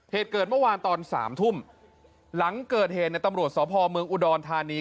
เหตุเกิดเมื่อวานตอนสามทุ่มหลังเกิดเหตุในตำรวจสพเมืองอุดรธานี